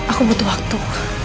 aku butuh waktu